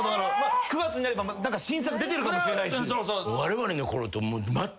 ９月になれば新作出てるかもしれないし。